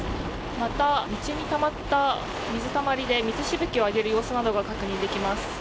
また、道にたまった水たまりで水しぶきを上げる様子などが確認できます。